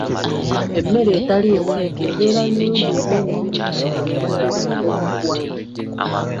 Emmere etali nsiike ebeera nnungi eri emibiri gyaffe kuba tebaamu butwa.